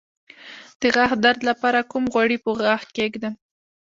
د غاښ درد لپاره کوم غوړي په غاښ کیږدم؟